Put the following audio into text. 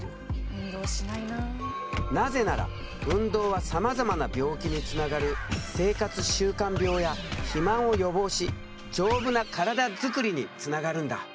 なぜなら運動はさまざまな病気につながる生活習慣病や肥満を予防し丈夫な体作りにつながるんだ。